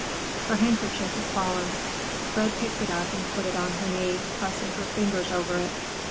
Her handkerchief had fallen. Fred picked it up and put it on her knee, pressing her fingers over it.